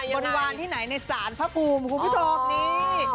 บริวารที่ไหนในศาลพระภูมิคุณผู้ชมนี่